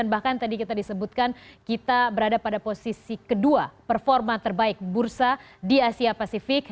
bahkan tadi kita disebutkan kita berada pada posisi kedua performa terbaik bursa di asia pasifik